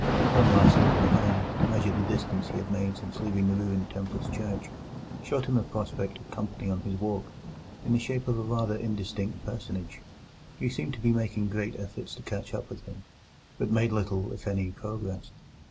One last look behind, to measure the distance he had made since leaving the ruined Templars' church, showed him a prospect of company on his walk, in the shape of a rather indistinct personage, who seemed to be making great efforts to catch up with him, but made little, if any, progress.